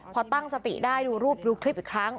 พอตั้งสติได้ดูรูปดูคลิปอีกครั้ง